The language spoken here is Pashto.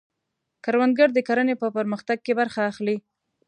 کروندګر د کرنې په پرمختګ کې برخه اخلي